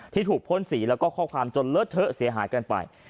ที่ถูกพ่นสีแล้วก็ข้อความจนเลอะเทอะเสียหายกันไป